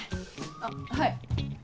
あっはい。